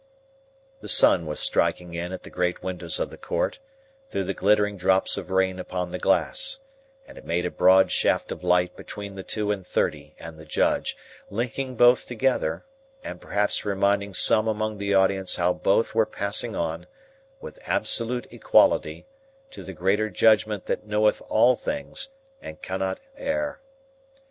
The sun was striking in at the great windows of the court, through the glittering drops of rain upon the glass, and it made a broad shaft of light between the two and thirty and the Judge, linking both together, and perhaps reminding some among the audience how both were passing on, with absolute equality, to the greater Judgment that knoweth all things, and cannot err.